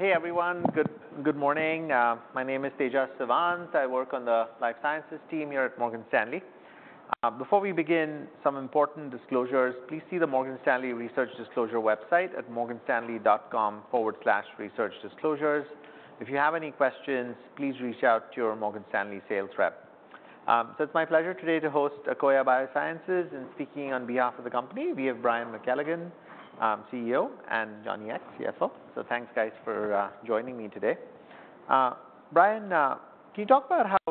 Hey, everyone. Good morning. My name is Tejas Savant. I work on the life sciences team here at Morgan Stanley. Before we begin, some important disclosures, please see the Morgan Stanley Research Disclosure website at morganstanley.com/researchdisclosures. If you have any questions, please reach out to your Morgan Stanley sales rep. It's my pleasure today to host Akoya Biosciences, and speaking on behalf of the company, we have Brian McKelligon, CEO, and Johnny Ek, CFO. Thanks, guys, for joining me today. Brian, can you talk about how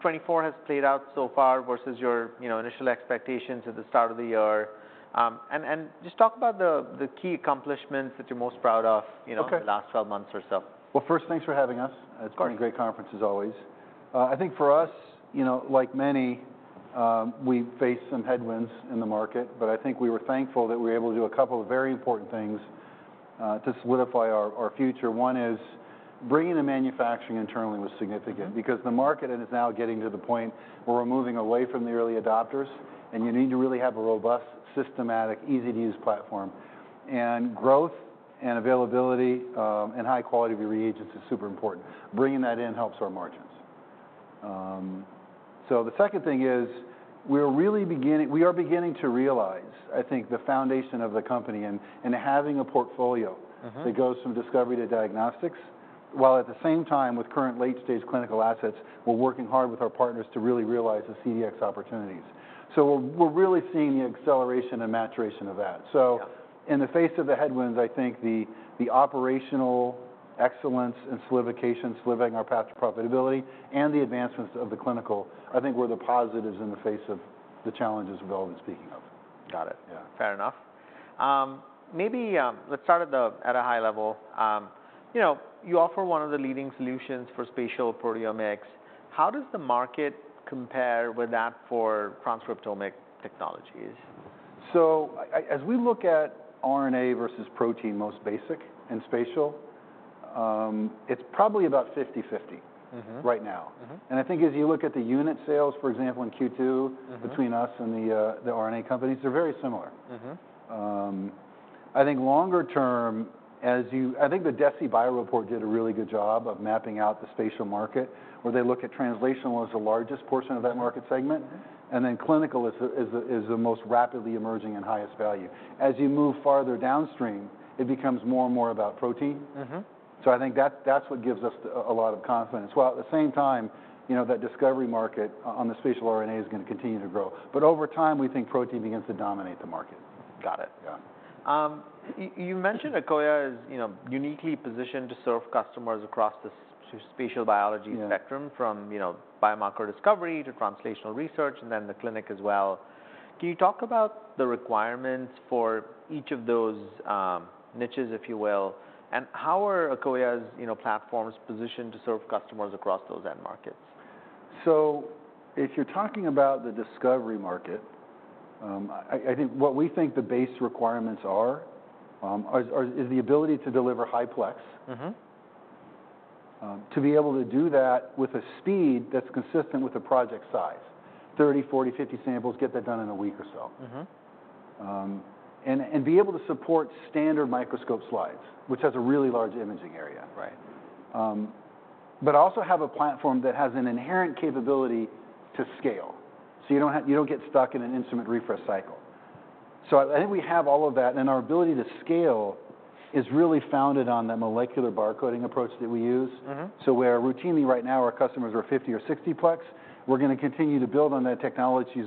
2024 has played out so far versus your initial expectations at the start of the year? And just talk about the key accomplishments that you're most proud of, you know— Okay -in the last twelve months or so. First, thanks for having us. Of course. It's been a great conference, as always. I think for us, you know, like many, we faced some headwinds in the market, but I think we were thankful that we were able to do a couple of very important things to solidify our future. One is, bringing the manufacturing internally was significant. Mm-hmm... because the market is now getting to the point where we're moving away from the early adopters, and you need to really have a robust, systematic, easy-to-use platform. Growth and availability, and high quality of your reagents is super important. Bringing that in helps our margins. The second thing is, we're really beginning—we are beginning to realize, I think, the foundation of the company, and, and having a portfolio— Mm-hmm... that goes from discovery to diagnostics, while at the same time, with current late-stage clinical assets, we're working hard with our partners to really realize the CDx opportunities. We're really seeing the acceleration and maturation of that. Yeah. In the face of the headwinds, I think the operational excellence and solidifying our path to profitability and the advancements of the clinical, I think were the positives in the face of the challenges Bill was speaking of. Got it. Yeah. Fair enough. Maybe, let's start at the, at a high level. You know, you offer one of the leading solutions for spatial proteomics. How does the market compare with that for transcriptomic technologies? As we look at RNA versus protein, most basic and spatial, it's probably about fifty-fifty. Mm-hmm... right now. Mm-hmm. I think as you look at the unit sales, for example, in Q2. Mm-hmm... between us and the, the RNA companies, they're very similar. Mm-hmm. I think longer term, as you-- I think the DeciBio report did a really good job of mapping out the spatial market, where they look at translational as the largest portion of that market segment. Mm-hmm. Clinical is the most rapidly emerging and highest value. As you move farther downstream, it becomes more and more about protein. Mm-hmm. I think that is what gives us a lot of confidence, while at the same time, you know, that discovery market on the spatial RNA is gonna continue to grow. Over time, we think protein begins to dominate the market. Got it. Yeah. You mentioned Akoya is, you know, uniquely positioned to serve customers across the spatial biology- Yeah... spectrum, from, you know, biomarker discovery to translational research, and then the clinic as well. Can you talk about the requirements for each of those, you know, niches, if you will? And how are Akoya's, you know, platforms positioned to serve customers across those end markets? If you're talking about the discovery market, I think what we think the base requirements are is the ability to deliver high-plex. Mm-hmm. To be able to do that with a speed that's consistent with the project size, 30, 40, 50 samples, get that done in a week or so. Mm-hmm. And be able to support standard microscope slides, which has a really large imaging area. Right. But also have a platform that has an inherent capability to scale, so you don't have- you don't get stuck in an instrument refresh cycle. I think we have all of that, and our ability to scale is really founded on the molecular barcoding approach that we use. Mm-hmm. We're routinely... Right now, our customers are fifty or sixty plex. We're gonna continue to build on that technology,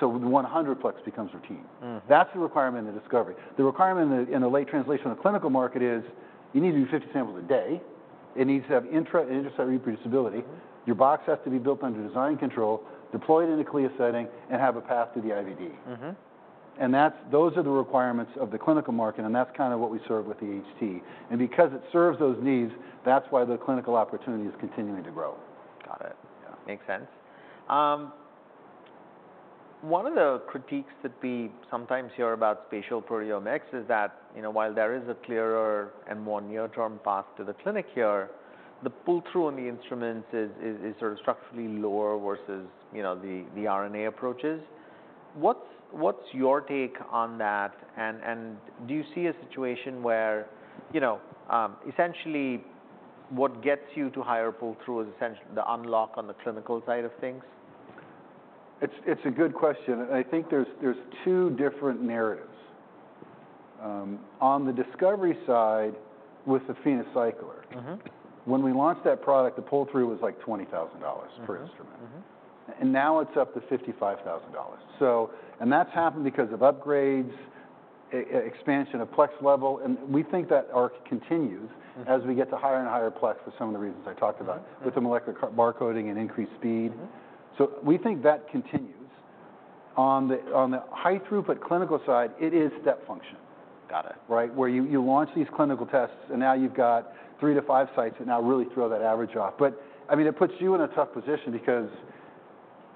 so the one hundred plex becomes routine. Mm. That's the requirement in discovery. The requirement in the, in the late translation of the clinical market is, you need to do 50 samples a day, it needs to have intra- interstudy reproducibility. Mm-hmm... your box has to be built under design control, deployed in a CLIA setting, and have a path to the IVD. Mm-hmm. Those are the requirements of the clinical market, and that's kind of what we serve with the HT. Because it serves those needs, that's why the clinical opportunity is continuing to grow. Got it. Yeah. Makes sense. One of the critiques that we sometimes hear about spatial proteomics is that, you know, while there is a clearer and more near-term path to the clinic here, the pull-through on the instruments is sort of structurally lower versus, you know, the RNA approaches. What's your take on that? And do you see a situation where, you know, essentially, what gets you to higher pull-through is essentially the unlock on the clinical side of things? It's, it's a good question, and I think there's, there's two different narratives. On the discovery side, with the PhenoCycler- Mm-hmm... when we launched that product, the pull-through was, like, $20,000 per instrument. Mm-hmm. Mm-hmm. It's up to $55,000. That's happened because of upgrades, expansion of plex level, and we think that arc continues. Mm-hmm... as we get to higher and higher plex for some of the reasons I talked about. Mm-hmm... with the molecular barcoding and increased speed. Mm-hmm. We think that continues. On the, on the high-throughput clinical side, it is step function. Got it. Right? Where you launch these clinical tests, and now you've got three to five sites that now really throw that average off. I mean, it puts you in a tough position because,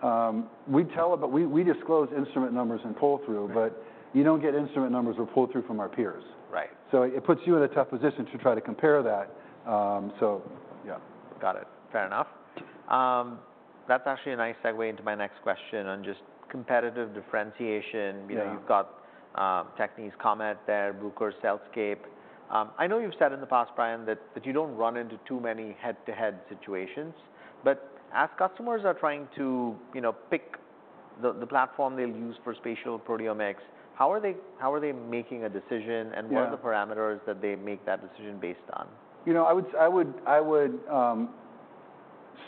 you know, we tell it, but we disclose instrument numbers and pull-through— Right... but you don't get instrument numbers or pull-through from our peers. Right. It puts you in a tough position to try to compare that, so yeah. Got it. Fair enough. That's actually a nice segue into my next question on just competitive differentiation. Yeah. You know, you've got Techne, COMET there, Bruker, CellScape. I know you've said in the past, Brian, that you don't run into too many head-to-head situations, but as customers are trying to, you know, pick the platform they'll use for spatial proteomics, how are they—how are they making a decision? Yeah. What are the parameters that they make that decision based on? You know, I would, I would, I would...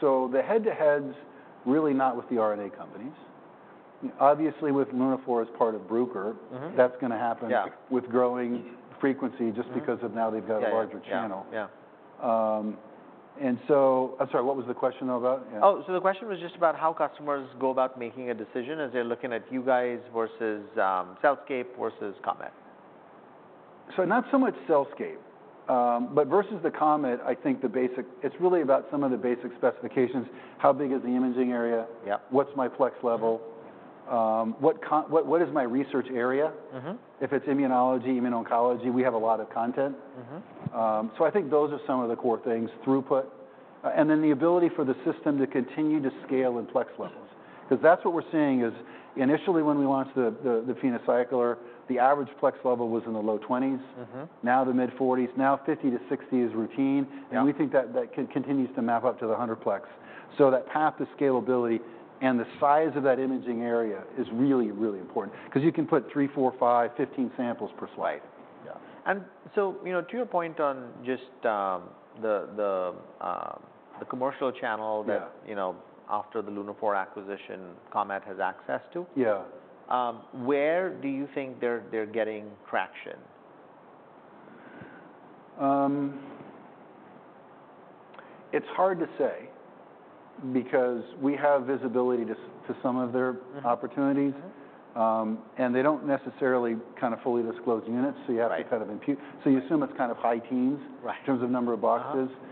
The head-to-heads, really not with the RNA companies. Obviously, with Lunaphore as part of Bruker. Mm-hmm. That's gonna happen. Yeah... with growing frequency. Mm-hmm... just because now they've got a larger channel. Yeah, yeah. I'm sorry, what was the question about again? Oh, so the question was just about how customers go about making a decision as they're looking at you guys versus CellScape versus COMET. Not so much CellScape, but versus the COMET, I think the basic—it's really about some of the basic specifications. How big is the imaging area? Yeah. What's my plex level? What con- what, what is my research area? Mm-hmm. If it's immunology, immuno-oncology, we have a lot of content. Mm-hmm. I think those are some of the core things, throughput, and then the ability for the system to continue to scale in plex levels. Mm-hmm. 'Cause that's what we're seeing, is initially when we launched the PhenoCycler, the average plex level was in the low twenties. Mm-hmm. Now the mid-forties, now 50-60 is routine. Yeah. We think that that continues to map up to the hundred plex. That path to scalability and the size of that imaging area is really, really important, because you can put three, four, five, 15 samples per slide. Yeah. You know, to your point on just the commercial channel— Yeah... that, you know, after the Lunaphore acquisition, COMET has access to. Yeah. Where do you think they're, they're getting traction? It's hard to say because we have visibility to some of their- Mm-hmm... opportunities. Mm-hmm. And they don't necessarily kind of fully disclose units- Right... so you have to kind of impute. You assume it's kind of high teens- Right... in terms of number of boxes. Uh-huh.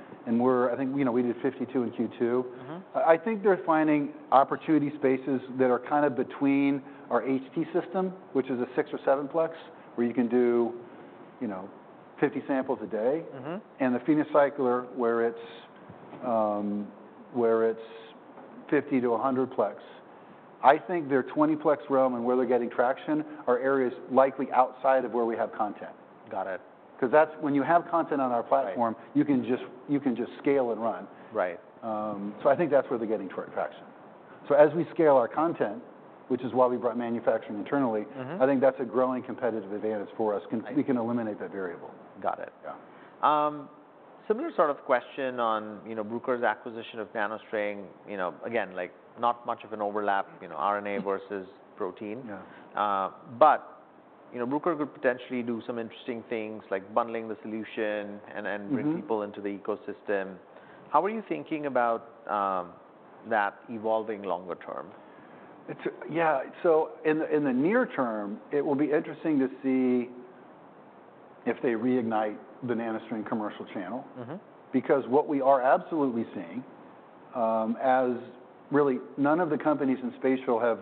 I think, you know, we did 52 in Q2. Mm-hmm. I think they're finding opportunity spaces that are kind of between our HT system, which is a six or seven plex, where you can do, you know, 50 samples a day. Mm-hmm. The PhenoCycler, where it's fifty to one hundred plex. I think their twenty plex realm and where they're getting traction are areas likely outside of where we have content. Got it. 'Cause that's, when you have content on our platform. Right... you can just scale and run. Right. I think that's where they're getting traction. As we scale our content, which is why we brought manufacturing internally— Mm-hmm... I think that's a growing competitive advantage for us, 'cause- Right... we can eliminate that variable. Got it. Yeah. Similar sort of question on, you know, Bruker's acquisition of NanoString. You know, again, like, not much of an overlap- Mm... you know, RNA versus protein. Yeah. But, you know, Bruker could potentially do some interesting things, like bundling the solution and, and- Mm-hmm... bring people into the ecosystem. How are you thinking about that evolving longer term? Yeah, so in the near term, it will be interesting to see if they reignite the NanoString commercial channel. Mm-hmm. Because what we are absolutely seeing, as really none of the companies in spatial have,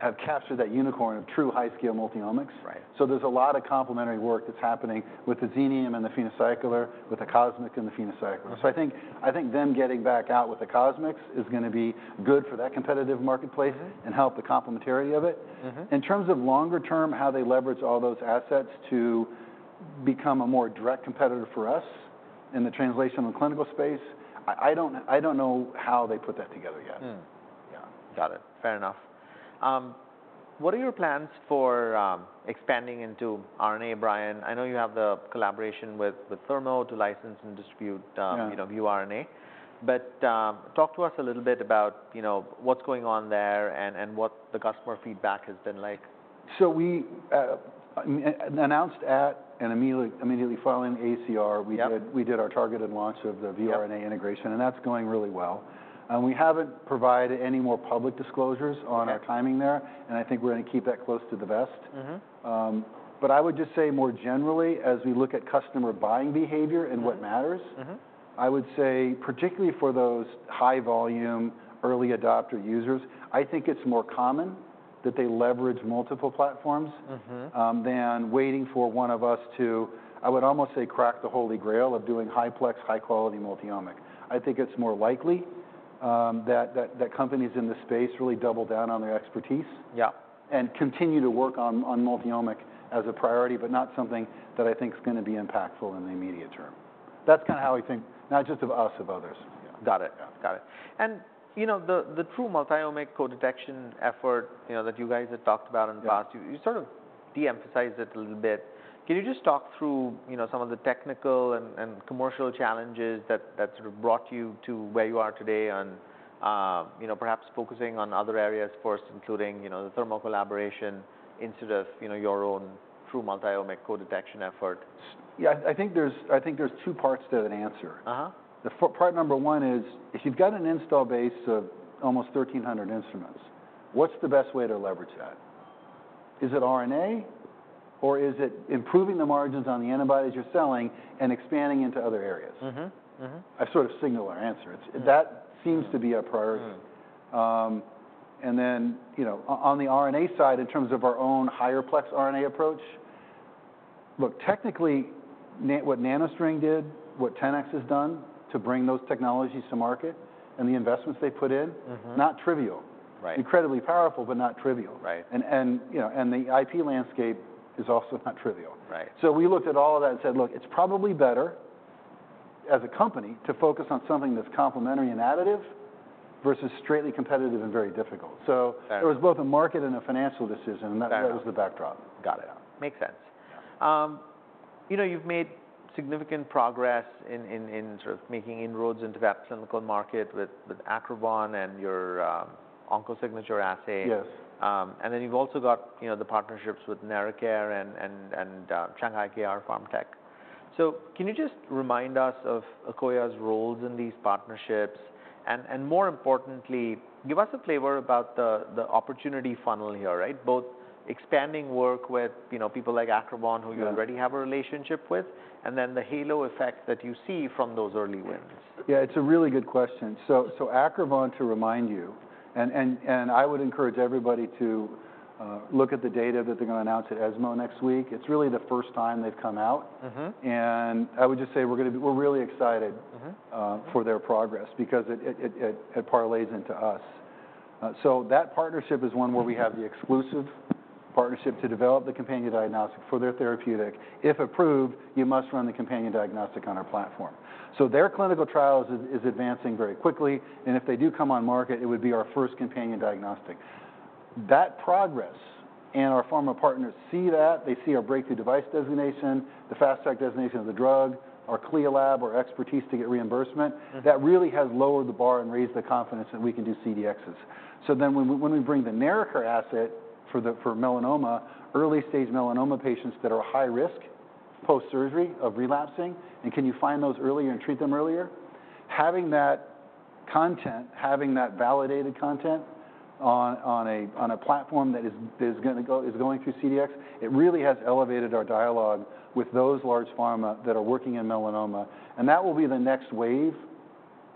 have captured that unicorn of true high-scale multiomics. Right. There is a lot of complementary work that is happening with the Xenium and the PhenoCycler, with the CosMx and the PhenoCycler. Okay. I think them getting back out with the CosMx is gonna be good for that competitive marketplace. Mm... and help the complementarity of it. Mm-hmm. In terms of longer term, how they leverage all those assets to become a more direct competitor for us in the translational and clinical space, I don't know how they put that together yet. Hmm. Yeah. Got it. Fair enough. What are your plans for expanding into RNA, Brian? I know you have the collaboration with Thermo to license and distribute— Yeah... you know, ViewRNA. Talk to us a little bit about, you know, what's going on there and what the customer feedback has been like. We announced at, and immediately, immediately following AACR- Yeah... we did, we did our targeted launch of the ViewRNA integration. Yeah... and that's going really well. We haven't provided any more public disclosures on— Yeah... our timing there, and I think we're gonna keep that close to the vest. Mm-hmm. I would just say more generally, as we look at customer buying behavior and what matters- Mm-hmm... I would say, particularly for those high-volume, early-adopter users, I think it's more common that they leverage multiple platforms. Mm-hmm... than waiting for one of us to, I would almost say, crack the Holy Grail of doing high-plex, high-quality multiomic. I think it's more likely that companies in this space really double down on their expertise. Yeah... and continue to work on, on multiomic as a priority, but not something that I think is gonna be impactful in the immediate term. That is kind of how we think, not just of us, of others. Got it. Yeah. Got it. You know, the true multiomic co-detection effort, you know, that you guys have talked about in the past— Yeah... you sort of de-emphasized it a little bit. Can you just talk through, you know, some of the technical and commercial challenges that sort of brought you to where you are today on, you know, perhaps focusing on other areas first, including, you know, the Thermo collaboration instead of, you know, your own true multiomic co-detection effort? Yeah, I think there's, I think there's two parts to that answer. Uh-huh. The part number one is, if you've got an install base of almost 1,300 instruments, what's the best way to leverage that? Is it RNA, or is it improving the margins on the antibodies you're selling and expanding into other areas? Mm-hmm, mm-hmm. I sort of signaled our answer. Yeah. That seems to be our priority. Mm. And then, you know, on the RNA side, in terms of our own higher plex RNA approach... Look, technically, what NanoString did, what 10x has done to bring those technologies to market, and the investments they put in— Mm-hmm. Not trivial. Right. Incredibly powerful, but not trivial. Right. You know, and the IP landscape is also not trivial. Right. We looked at all of that and said, "Look, it's probably better as a company to focus on something that's complementary and additive, versus straightly competitive and very difficult. Right. It was both a market and a financial decision. Got it. - and that was the backdrop. Got it. Makes sense. Yeah. You know, you've made significant progress in, in sort of making inroads into that clinical market with Acrivon and your OncoSignature assay. Yes. And then you've also got, you know, the partnerships with NeraCare and, and, and Shanghai KR Pharmtech. Can you just remind us of Akoya's roles in these partnerships? And, more importantly, give us a flavor about the opportunity funnel here, right? Both expanding work with, you know, people like Acrivon- Yeah... who you already have a relationship with, and then the halo effect that you see from those early wins. Yeah, it's a really good question. Acrivon, to remind you, and I would encourage everybody to look at the data that they're gonna announce at ESMO next week. It's really the first time they've come out. Mm-hmm. I would just say we're gonna be-- we're really excited- Mm-hmm... for their progress because it parlays into us. That partnership is one where we have the exclusive partnership to develop the companion diagnostic for their therapeutic. If approved, you must run the companion diagnostic on our platform. Their clinical trials are advancing very quickly, and if they do come on market, it would be our first companion diagnostic. That progress, and our pharma partners see that, they see our Breakthrough Device Designation, the Fast Track designation of the drug, our CLIA lab, our expertise to get reimbursement. Mm-hmm... that really has lowered the bar and raised the confidence that we can do CDXs. When we bring the NeraCare asset for melanoma, early-stage melanoma patients that are high risk, post-surgery, of relapsing, and can you find those earlier and treat them earlier? Having that content, having that validated content on a platform that is going through CDX, it really has elevated our dialogue with those large pharma that are working in melanoma. That will be the next wave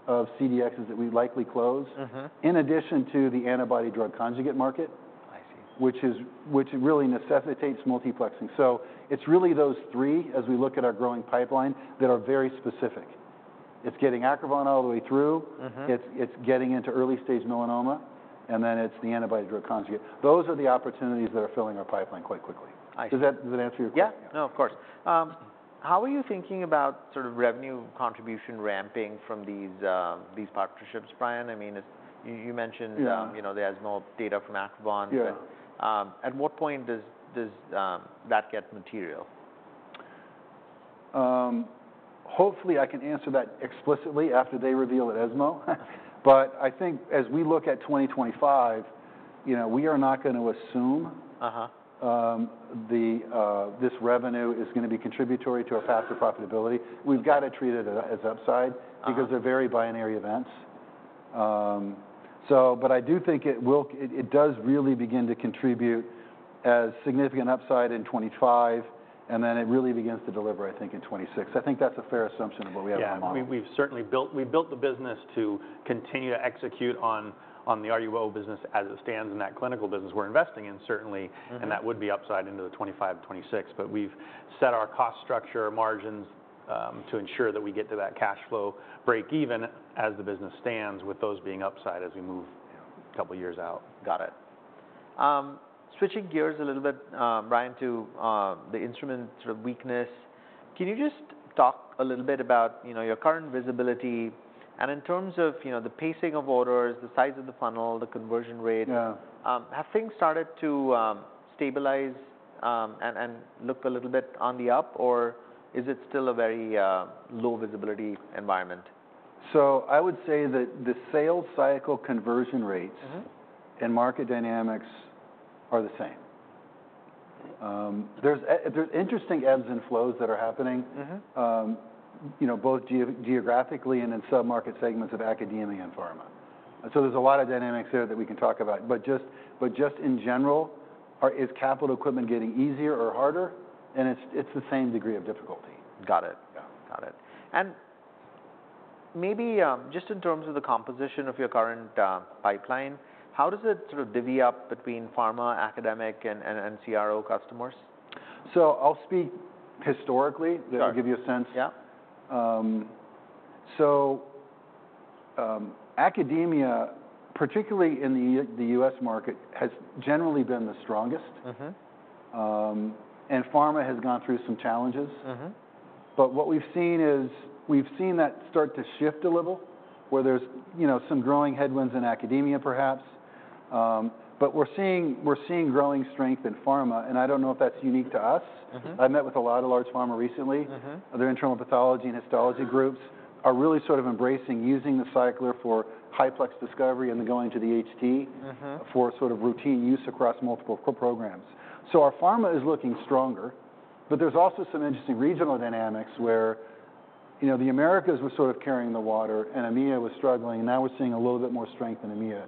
of CDXs that we likely close. Mm-hmm... in addition to the antibody-drug conjugate market. I see... which really necessitates multiplexing. It is really those three, as we look at our growing pipeline, that are very specific. It is getting Acrivon all the way through— Mm-hmm... it's getting into early-stage melanoma, and then it's the antibody-drug conjugate. Those are the opportunities that are filling our pipeline quite quickly. I see. Does that answer your question? Yeah. No, of course. How are you thinking about sort of revenue contribution ramping from these, these partnerships, Brian? I mean, as you, you mentioned- Yeah... you know, the ESMO data from Acrivon. Yeah. At what point does that get material? Hopefully, I can answer that explicitly after they reveal at ESMO. I think as we look at 2025, you know, we are not gonna assume- Uh-huh... this revenue is gonna be contributory to a faster profitability. We've got to treat it as upside- Uh-huh... because they're very binary events. But I do think it will, it does really begin to contribute as significant upside in 2025, and then it really begins to deliver, I think, in 2026. I think that's a fair assumption of where we have in mind. Yeah, we've certainly built—we've built the business to continue to execute on the RUO business as it stands in that clinical business we're investing in, certainly. Mm-hmm... and that would be upside into the 2025, 2026. But we've set our cost structure margins to ensure that we get to that cash flow break even as the business stands, with those being upside as we move, you know, a couple of years out. Got it. Switching gears a little bit, Brian, to the instrument sort of weakness, can you just talk a little bit about, you know, your current visibility, and in terms of, you know, the pacing of orders, the size of the funnel, the conversion rate? Yeah. Have things started to stabilize and look a little bit on the up, or is it still a very low visibility environment? I would say that the sales cycle conversion rates. Mm-hmm... and market dynamics are the same. There's interesting ebbs and flows that are happening. Mm-hmm... you know, both geographically and in sub-market segments of academia and pharma. There is a lot of dynamics there that we can talk about. Just in general, is capital equipment getting easier or harder? It is the same degree of difficulty. Got it. Yeah. Got it. And maybe just in terms of the composition of your current pipeline, how does it sort of divvy up between pharma, academic, and CRO customers? I'll speak historically. Sure... that will give you a sense. Yeah. Academia, particularly in the U.S. market, has generally been the strongest. Mm-hmm. And pharma has gone through some challenges. Mm-hmm. What we've seen is, we've seen that start to shift a little, where there's, you know, some growing headwinds in academia, perhaps. We're seeing, we're seeing growing strength in pharma, and I don't know if that's unique to us. Mm-hmm. I've met with a lot of large pharma recently. Mm-hmm. Their internal pathology and histology groups are really sort of embracing using the cycler for high-plex discovery and then going to the HT. Mm-hmm... for sort of routine use across multiple programs. So our pharma is looking stronger, but there's also some interesting regional dynamics where, you know, the Americas were sort of carrying the water and EMEA was struggling, and now we're seeing a little bit more strength in EMEA.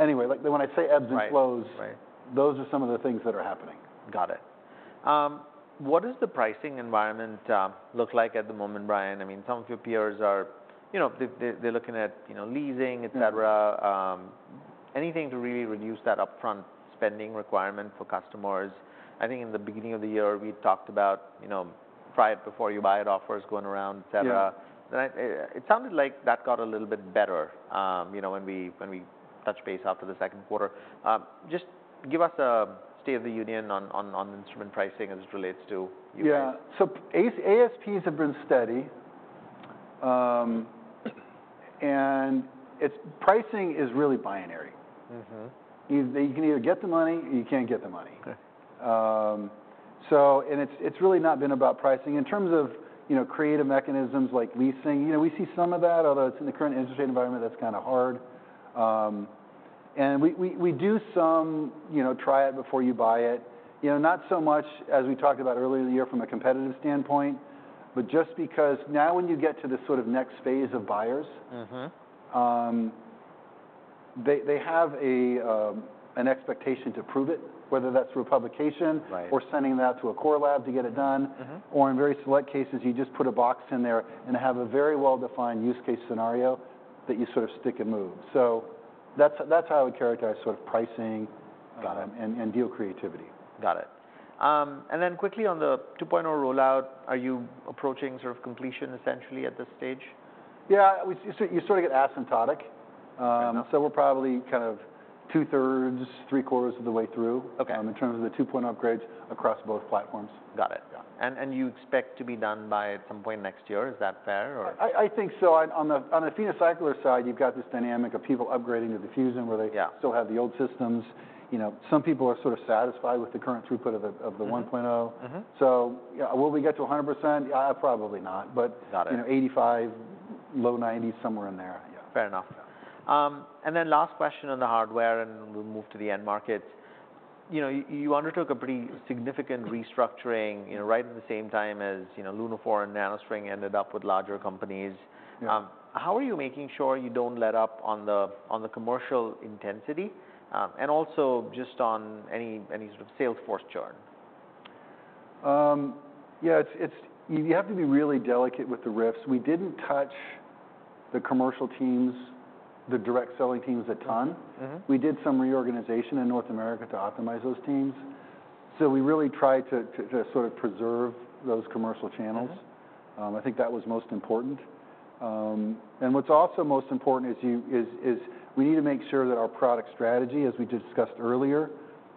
Anyway, like, when I say ebbs and flows- Right, right... those are some of the things that are happening. Got it. What does the pricing environment look like at the moment, Brian? I mean, some of your peers are, you know, they, they're looking at, you know, leasing, et cetera. Mm-hmm.... anything to really reduce that upfront spending requirement for customers. I think in the beginning of the year, we talked about, you know, try it before you buy it, offers going around, et cetera. Yeah. I... It sounded like that got a little bit better, you know, when we touched base after the second quarter. Just give us a state of the union on instrument pricing as it relates to you guys. Yeah. ASPs have been steady. It's pricing is really binary. Mm-hmm. You can either get the money, or you can't get the money. Okay. So, and it's really not been about pricing. In terms of, you know, creative mechanisms like leasing, you know, we see some of that, although it's in the current interest rate environment, that's kind of hard. And we do some, you know, try it before you buy it. You know, not so much as we talked about earlier in the year from a competitive standpoint, but just because now when you get to the sort of next phase of buyers— Mm-hmm... they have a, an expectation to prove it, whether that's through a publication- Right... or sending that to a core lab to get it done. Mm-hmm. In very select cases, you just put a box in there and have a very well-defined use case scenario that you sort of stick and move. That is how I would characterize sort of pricing. Got it... and deal creativity. Got it. And then quickly on the 2.0 rollout, are you approaching sort of completion essentially at this stage? Yeah, you sort of get asymptotic. Fair enough. We're probably kind of two thirds, three quarters of the way through- Okay... in terms of the 2.0 upgrades across both platforms. Got it. Yeah. And you expect to be done by some point next year, is that fair, or? I think so. On the, on the PhenoCycler side, you've got this dynamic of people upgrading to the Fusion, where they- Yeah... still have the old systems. You know, some people are sort of satisfied with the current throughput of the— Mm... of the 1.0. Mm-hmm. Will we get to 100%? Probably not, but- Got it... you know, 85, low 90s, somewhere in there. Yeah, fair enough. Yeah. And then last question on the hardware, and we'll move to the end markets. You know, you undertook a pretty significant restructuring, you know, right at the same time as, you know, Lunaphore and NanoString ended up with larger companies. Yeah. How are you making sure you don't let up on the, on the commercial intensity? And also just on any, any sort of sales force chart. Yeah, it's, it's you have to be really delicate with the risks. We didn't touch the commercial teams, the direct selling teams a ton. Mm-hmm. We did some reorganization in North America to optimize those teams, so we really tried to sort of preserve those commercial channels. Mm-hmm. I think that was most important. And what's also most important is you- is, is we need to make sure that our product strategy, as we discussed earlier,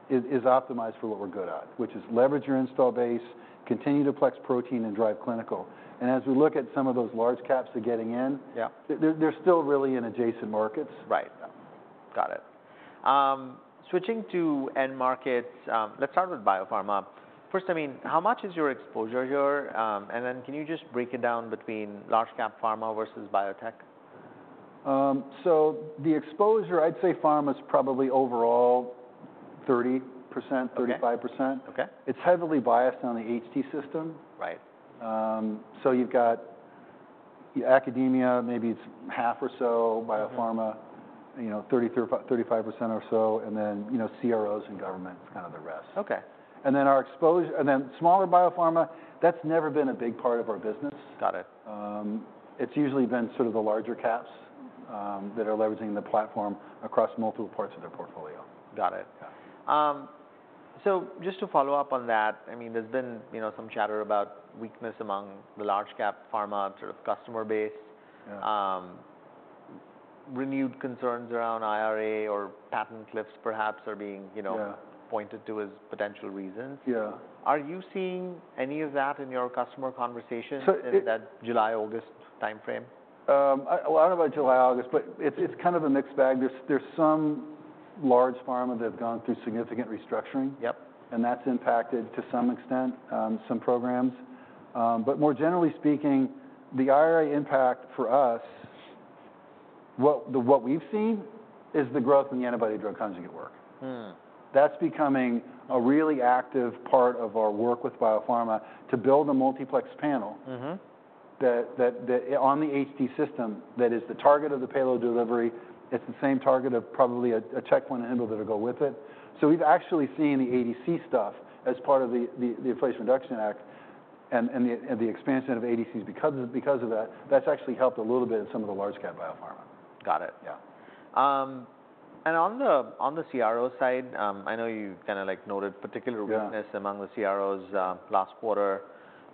is, is optimized for what we're good at, which is leverage your install base, continue to plex protein and drive clinical. And as we look at some of those large caps that are getting in- Yeah... they're still really in adjacent markets. Right. Yeah. Got it. Switching to end markets, let's start with biopharma. First, I mean, how much is your exposure here? I mean, can you just break it down between large cap pharma versus biotech? So the exposure, I'd say pharma is probably overall 30%-35%. Okay. It's heavily biased on the HT system. Right. So you've got academia, maybe it's half or so, biopharma- Mm-hmm... you know, 30-35% or so, and then, you know, CROs and government is kind of the rest. Okay. Our exposure, and then smaller biopharma, that's never been a big part of our business. Got it. It's usually been sort of the larger caps that are leveraging the platform across multiple parts of their portfolio. Got it. Yeah. So just to follow up on that, I mean, there's been, you know, some chatter about weakness among the large cap pharma sort of customer base. Yeah. Renewed concerns around IRA or patent cliffs perhaps are being, you know- Yeah... pointed to as potential reasons. Yeah. Are you seeing any of that in your customer conversations? So it-... in that July, August timeframe? I don't know about July, August, but it's kind of a mixed bag. There's some large pharma that have gone through significant restructuring. Yep... and that's impacted to some extent, some programs. More generally speaking, the IRA impact for us, what we've seen, is the growth in the antibody-drug conjugate work. Mm. That's becoming a really active part of our work with biopharma to build a multiplex panel. Mm-hmm... that, that, on the HT system, that is the target of the payload delivery, it's the same target of probably a, a checkpoint inhibitor to go with it. We've actually seen the ADC stuff as part of the Inflation Reduction Act and the expansion of ADCs. Because of that, that's actually helped a little bit in some of the large cap biopharma. Got it. Yeah. And on the, on the CRO side, I know you kind of like noted particular weakness- Yeah... among the CROs, last quarter.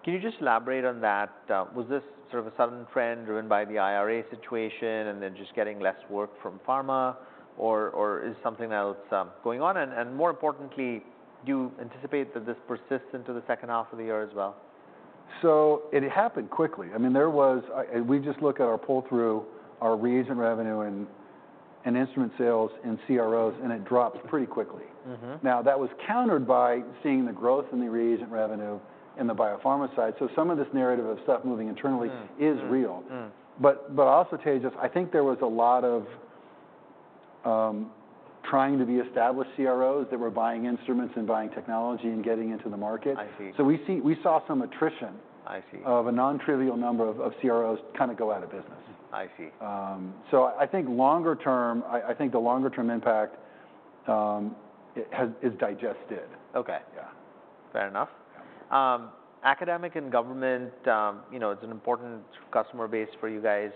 Can you just elaborate on that? Was this sort of a sudden trend driven by the IRA situation and then just getting less work from pharma, or is something else going on? More importantly, do you anticipate that this persists into the second half of the year as well? It happened quickly. I mean, there was... I, and we just look at our pull through, our reagent revenue and, and instrument sales and CROs, and it drops pretty quickly. Mm-hmm. Now, that was countered by seeing the growth in the reagent revenue in the biopharma side. Some of this narrative of stuff moving internally- Mm... is real. Mm. Mm. I'll also tell you this, I think there was a lot of trying to be established CROs that were buying instruments and buying technology and getting into the market. I see. We saw some attrition. I see... of a non-trivial number of CROs kind of go out of business. I see. I think longer term, I think the longer term impact is digested. Okay. Yeah. Fair enough. Yeah. Academic and government, you know, it's an important customer base for you guys.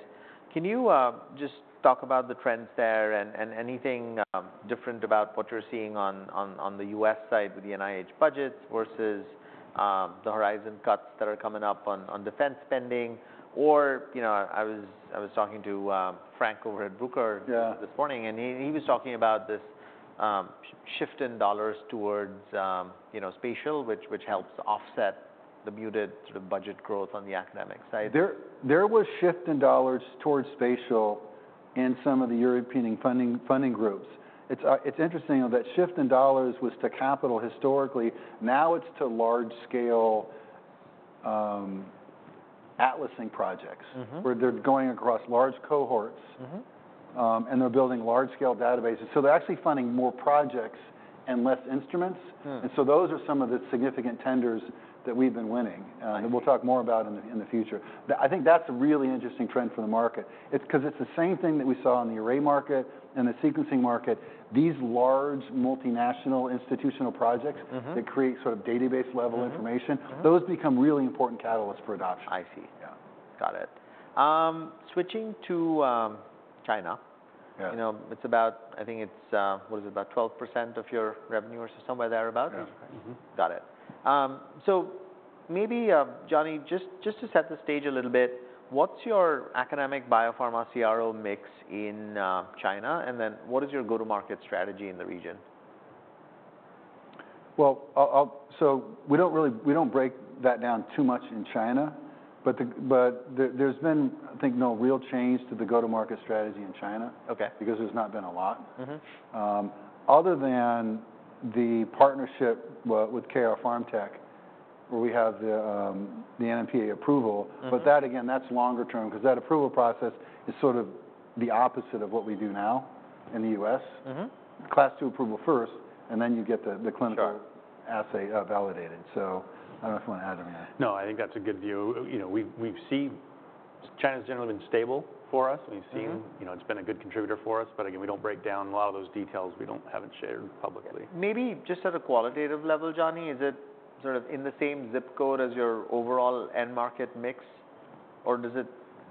Can you just talk about the trends there and anything different about what you're seeing on the U.S. side with the NIH budgets versus the horizon cuts that are coming up on defense spending? You know, I was talking to Frank over at Bruker. Yeah This morning, and he was talking about this shift in dollars towards, you know, spatial, which helps offset the muted sort of budget growth on the academic side. There was a shift in dollars towards spatial in some of the European funding groups. It's interesting, though, that shift in dollars was to capital historically. Now, it's to large scale atlasing projects. Mm-hmm... where they're going across large cohorts. Mm-hmm... and they're building large scale databases. So they're actually funding more projects and less instruments. Hmm. Those are some of the significant tenders that we've been winning. Okay. And we'll talk more about in the, in the future. I think that's a really interesting trend for the market. It's 'cause it's the same thing that we saw in the array market and the sequencing market, these large, multinational institutional projects. Mm-hmm... that create sort of database-level information. Mm-hmm, mm-hmm... those become really important catalysts for adoption. I see. Yeah. Got it. Switching to China. Yeah. You know, it's about, I think it's, what is it? About 12% of your revenue, or so somewhere there about? Yeah. Mm-hmm. Got it. Johnny, just to set the stage a little bit, what's your academic biopharma CRO mix in China? And then, what is your go-to-market strategy in the region? I- I'll-- we don't really, we don't break that down too much in China, but there, there's been, I think, no real change to the go-to-market strategy in China. Okay... because there's not been a lot. Mm-hmm. Other than the partnership with Shanghai KR Pharmtech, where we have the NMPA approval. Mm-hmm. That again, that's longer term, 'cause that approval process is sort of the opposite of what we do now in the U.S. Mm-hmm. Class II approval first, and then you get the clinical- Sure... assay, validated. I don't know if you want to add anything. No, I think that's a good view. You know, we've seen China's generally been stable for us. Mm-hmm. We've seen, you know, it's been a good contributor for us, but again, we don't break down a lot of those details, we haven't shared publicly. Maybe just at a qualitative level, Johnny, is it sort of in the same zip code as your overall end market mix, or does it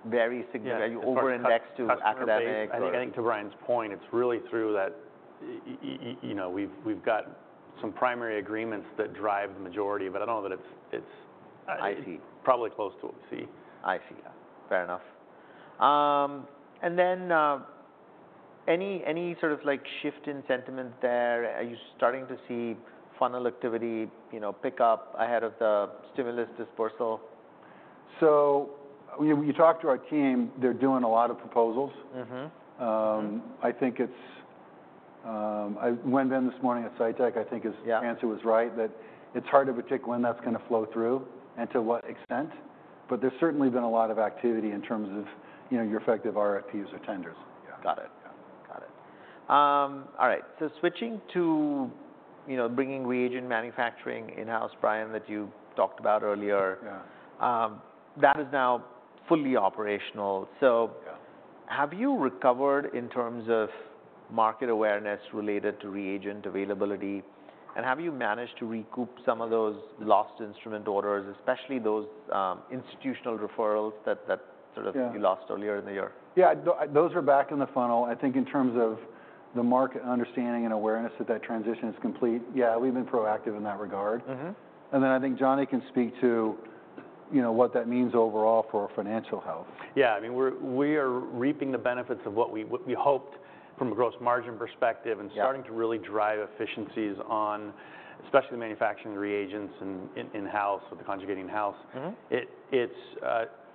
vary significantly? Yeah. Are you overindexed to academic or- I think getting to Brian's point, it's really through that, you know, we've got some primary agreements that drive the majority, but I don't know that it's, it's- I see. Probably close to what we see. I see. Yeah. Fair enough. And then, any sort of, like, shift in sentiment there? Are you starting to see funnel activity, you know, pick up ahead of the stimulus dispersal? When you talk to our team, they're doing a lot of proposals. Mm-hmm. I think it's... I went in this morning at Cytek, I think his- Yeah answer was right, that it's hard to predict when that's gonna flow through and to what extent, but there's certainly been a lot of activity in terms of, you know, your effective RFPs or tenders. Yeah. Got it. Yeah. Got it. All right, so switching to, you know, bringing reagent manufacturing in-house, Brian, that you talked about earlier. Yeah... that is now fully operational. Yeah. Have you recovered in terms of market awareness related to reagent availability? And have you managed to recoup some of those lost instrument orders, especially those institutional referrals that, that sort of— Yeah... you lost earlier in the year? Yeah, those are back in the funnel. I think in terms of the market understanding and awareness that that transition is complete, yeah, we've been proactive in that regard. Mm-hmm. I think Johnny can speak to, you know, what that means overall for our financial health. Yeah, I mean, we are reaping the benefits of what we hoped from a gross margin perspective. Yeah... and starting to really drive efficiencies on, especially manufacturing reagents and in-house or the conjugating in-house. Mm-hmm. It is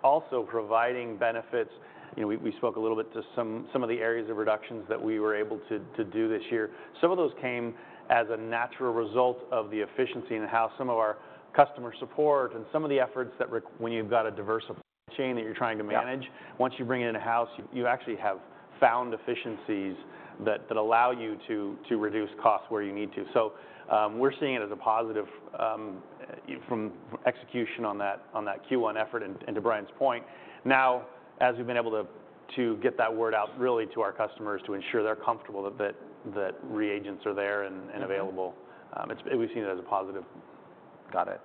also providing benefits. You know, we spoke a little bit to some of the areas of reductions that we were able to do this year. Some of those came as a natural result of the efficiency in the house. Some of our customer support and some of the efforts that, when you've got a diversified chain that you're trying to manage— Yeah... once you bring it in-house, you actually have found efficiencies that allow you to reduce costs where you need to. We're seeing it as a positive from execution on that Q1 effort. To Brian's point, now, as we've been able to get that word out really to our customers, to ensure they're comfortable that reagents are there and available. Mm-hmm... it's, we've seen it as a positive. Got it.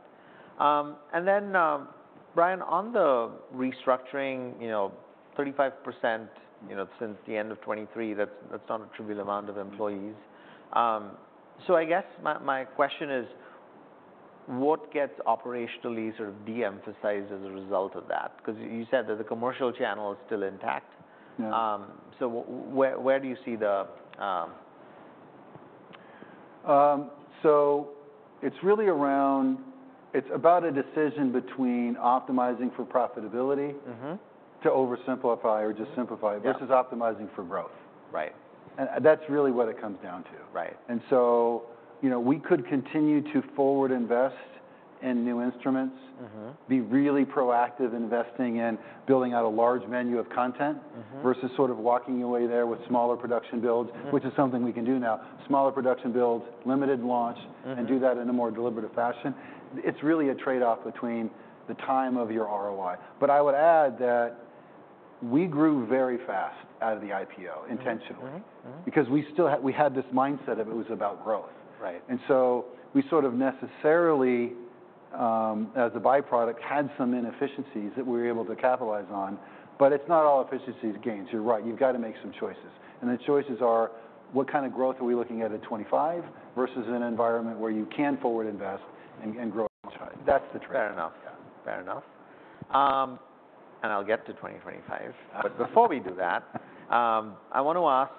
Brian, on the restructuring, you know, 35%, you know, since the end of 2023, that's, that's not a trivial amount of employees. I guess my question is: What gets operationally sort of de-emphasized as a result of that? Because you said that the commercial channel is still intact. Yeah. Where do you see the... So it's really around-- it's about a decision between optimizing for profitability- Mm-hmm... to oversimplify or just simplify— Yeah... versus optimizing for growth. Right. That is really what it comes down to. Right. You know, we could continue to forward invest in new instruments. Mm-hmm... be really proactive, investing in building out a large menu of content. Mm-hmm... versus sort of walking away there with smaller production builds. Mm-hmm... which is something we can do now. Smaller production builds, limited launch. Mm-hmm... and do that in a more deliberative fashion. It's really a trade-off between the time of your ROI. I would add that we grew very fast out of the IPO, intentionally. Mm-hmm. Mm-hmm. Because we still had—we had this mindset of it was about growth. Right. We sort of necessarily, as a byproduct, had some inefficiencies that we were able to capitalize on, but it's not all efficiency gains. You're right, you've gotta make some choices, and the choices are: what kind of growth are we looking at in 2025, versus an environment where you can forward invest and grow? That's the trade. Fair enough. Yeah. Fair enough. I'll get to 2025. Before we do that, I want to ask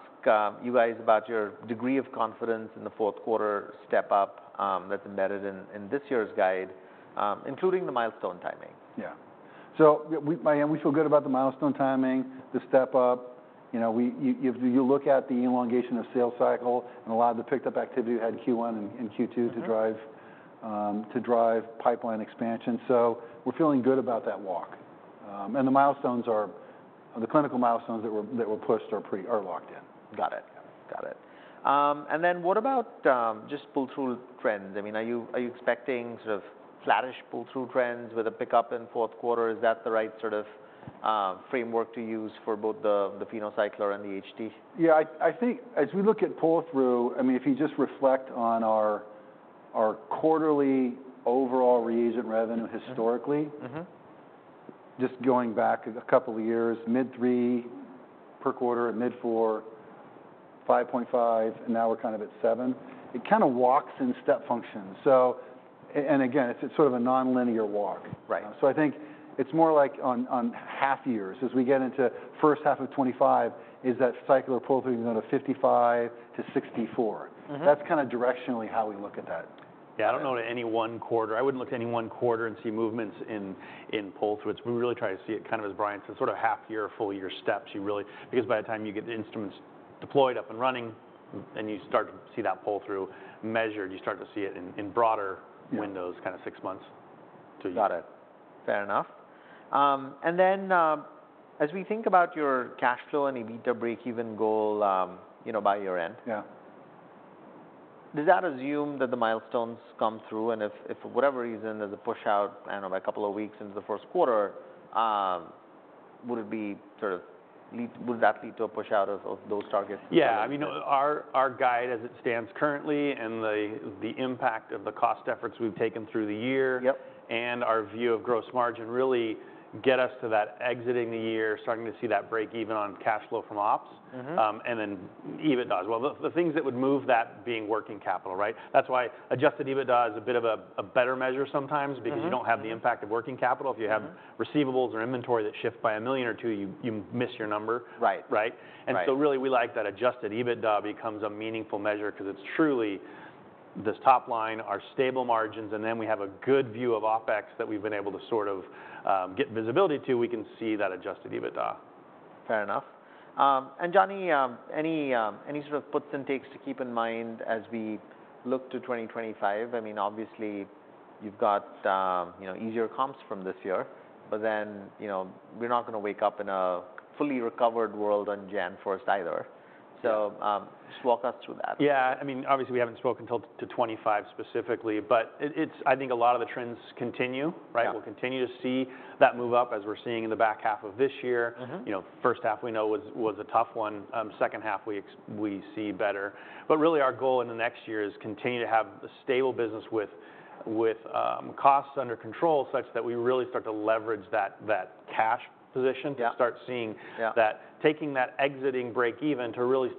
you guys about your degree of confidence in the fourth quarter step up that's embedded in this year's guide, including the milestone timing. Yeah. We feel good about the milestone timing, the step up. You know, you look at the elongation of sales cycle and a lot of the picked up activity we had in Q1 and Q2. Mm-hmm... to drive, to drive pipeline expansion, so we're feeling good about that walk. The milestones are, the clinical milestones that were, that were pushed are pretty, are locked in. Got it. Yeah. Got it. And then what about, just pull-through trends? I mean, are you expecting sort of flattish pull-through trends with a pickup in fourth quarter? Is that the right sort of framework to use for both the PhenoCycler and the HT? Yeah, I think as we look at pull-through, I mean, if you just reflect on our quarterly overall reagent revenue historically. Mm-hmm, mm-hmm... just going back a couple of years, mid three per quarter, at mid four, 5.5, and now we're kind of at seven. It kind of walks in step function. Again, it's sort of a nonlinear walk. Right. I think it's more like on half years, as we get into first half of 2025, is that cycler pull-through going to 55-64? Mm-hmm. That's kind of directionally how we look at that. Yeah, I don't know that any one quarter—I wouldn't look to any one quarter and see movements in, in pull-through. We really try to see it kind of, as Brian said, sort of half year or full year steps, you really... Because by the time you get the instruments deployed, up and running, and you start to see that pull-through measured, you start to see it in, in broader— Yeah ...windows, kind of six months to- Got it. Fair enough. As we think about your cash flow and EBITDA breakeven goal, you know, by year-end- Yeah... does that assume that the milestones come through? If, if for whatever reason there's a push-out, I don't know, by a couple of weeks into the first quarter, would it be sort of lead- would that lead to a push-out of, of those targets? Yeah, I mean, our guide as it stands currently and the impact of the cost efforts we've taken through the year. Yep... and our view of gross margin, really get us to that exiting the year, starting to see that break even on cash flow from ops. Mm-hmm. And then EBITDA, as well. The things that would move that being working capital, right? That's why adjusted EBITDA is a bit of a, a better measure sometimes. Mm-hmm, mm-hmm... because you don't have the impact of working capital. Mm-hmm. If you have receivables or inventory that shift by a million or two, you miss your number. Right. Right? Right. Really, we like that adjusted EBITDA becomes a meaningful measure because it's truly this top line, our stable margins, and then we have a good view of OpEx that we've been able to sort of get visibility to. We can see that adjusted EBITDA. Fair enough. And Johnny, any, any sort of puts and takes to keep in mind as we look to 2025? I mean, obviously, you've got, you know, easier comps from this year, but then, you know, we're not gonna wake up in a fully recovered world on January first either. Yeah. Just walk us through that. Yeah, I mean, obviously, we haven't spoken to '25 specifically, but it's- I think a lot of the trends continue, right? Yeah. We'll continue to see that move up as we're seeing in the back half of this year. Mm-hmm. You know, first half we know was, was a tough one. Second half, we see better. Really, our goal in the next year is continue to have a stable business with, with costs under control, such that we really start to leverage that, that cash position. Yeah... to start seeing. Yeah... that taking that exiting break even to really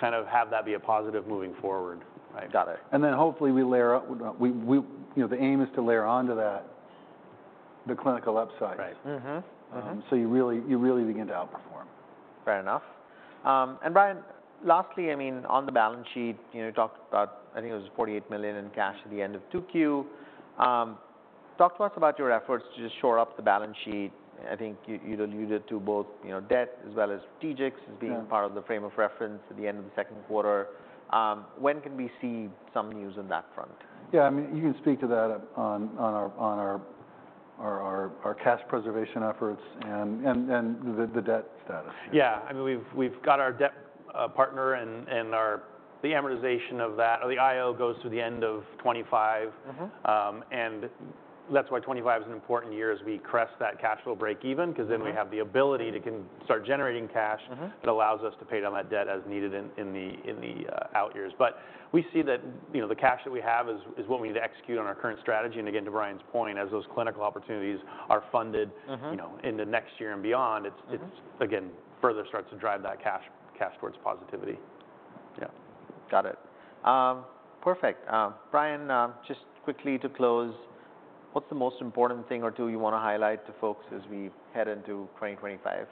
kind of have that be a positive moving forward. Right. Got it. Hopefully we layer up, we, you know, the aim is to layer onto that, the clinical upside. Right. Mm-hmm. Mm-hmm. You really, you really begin to outperform. Fair enough. And Brian, lastly, I mean, on the balance sheet, you know, you talked about, I think it was $48 million in cash at the end of 2Q. Talk to us about your efforts to just shore up the balance sheet. I think you, you alluded to both, you know, debt as well as strategics- Yeah... as being part of the frame of reference at the end of the second quarter. When can we see some news on that front? Yeah, I mean, you can speak to that on our cash preservation efforts and the debt status. Yeah. I mean, we've got our debt partner and our... The amortization of that, or the IO, goes to the end of 2025. Mm-hmm. And that's why 2025 is an important year as we crest that cash flow break even. Mm-hmm... because then we have the ability to start generating cash. Mm-hmm... that allows us to pay down that debt as needed in the out years. We see that, you know, the cash that we have is what we need to execute on our current strategy. Again, to Brian's point, as those clinical opportunities are funded— Mm-hmm... you know, in the next year and beyond. Mm-hmm... it's, it's, again, further starts to drive that cash, cash towards positivity. Yeah. Got it. Perfect. Brian, just quickly to close, what's the most important thing or two you want to highlight to folks as we head into 2025?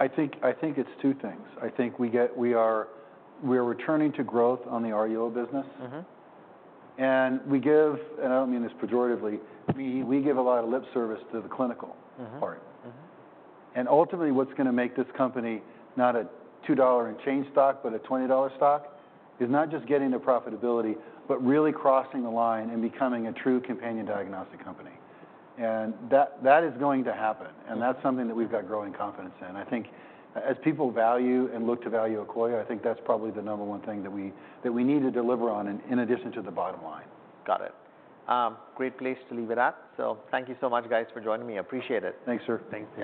I think, I think it's two things. I think we are, we are returning to growth on the RUO business. Mm-hmm. We give, and I don't mean this pejoratively, we give a lot of lip service to the clinical- Mm-hmm... part. Mm-hmm. Ultimately, what's gonna make this company not a $2 and change stock, but a $20 stock, is not just getting to profitability, but really crossing the line and becoming a true companion diagnostic company. That is going to happen, and that's something that we've got growing confidence in. I think as people value and look to value Akoya, I think that's probably the number one thing that we need to deliver on in addition to the bottom line. Got it. Great place to leave it at, so thank you so much, guys, for joining me. I appreciate it. Thanks, sir. Thank you.